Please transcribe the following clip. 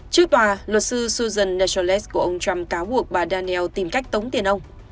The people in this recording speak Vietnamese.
trước tòa luật sư susan nesholet của ông trump cáo buộc bà daniels tìm cách tống tiền ông